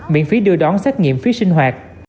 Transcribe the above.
miễn phí đưa đón xét nghiệm phí sinh hoạt